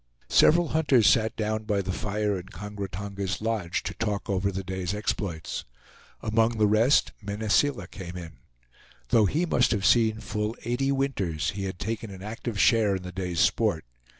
Several hunters sat down by the fire in Kongra Tonga's lodge to talk over the day's exploits. Among the rest, Mene Seela came in. Though he must have seen full eighty winters, he had taken an active share in the day's sport.